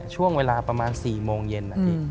ช่วงเวลาประมาณ๔โมงเย็นนะพี่